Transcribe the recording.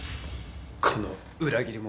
この裏切り者め。